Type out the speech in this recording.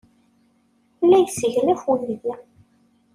La yesseglaf uydi.